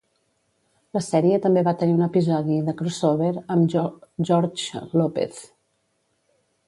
La sèrie també va tenir un episodi de "crossover" amb "George Lopez".